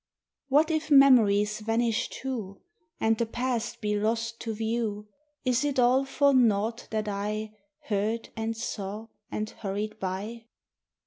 What if memories vanish too, And the past be lost to view; Is it all for nought that I Heard and saw and hurried by?